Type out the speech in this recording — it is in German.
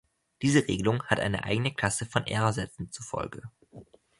Diese Regelung hat eine eigene Klasse von R- Sätzen zur Folge.